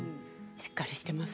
しっかりしています。